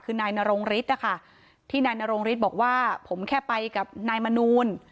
คือนายนรงฤทธิ์นะคะที่นายนรงฤทธิ์บอกว่าผมแค่ไปกับนายมนูล